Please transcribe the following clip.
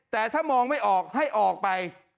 แต่ถ้ามองไม่ออกให้ออกไป